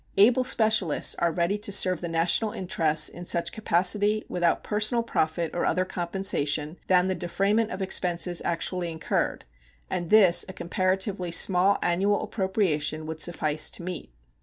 Able specialists are ready to serve the national interests in such capacity without personal profit or other compensation than the defrayment of expenses actually incurred, and this a comparatively small annual appropriation would suffice to meet.